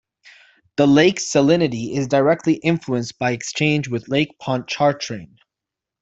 The lake's salinity is directly influenced by exchange with Lake Pontchartrain.